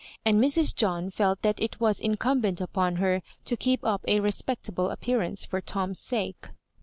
and Mrs. John felt that it was incumbent upon her to keep up a respectable appearance for Tom's sake.